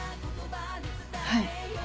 はい。